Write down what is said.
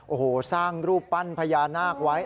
โอ้โหสร้างรูปปั้นพญานาคไว้